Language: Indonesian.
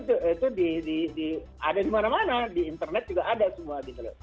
dan itu ada di mana mana di internet juga ada semua